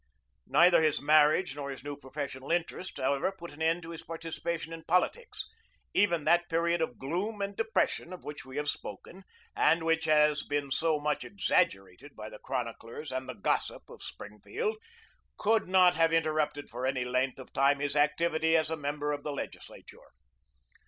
Neither his marriage nor his new professional interests, however, put an end to his participation in politics. Even that period of gloom and depression of which we have spoken, and which has been so much exaggerated by the chroniclers and the gossip of Springfield, could not have interrupted for any length of time his activity as a member of the Legislature.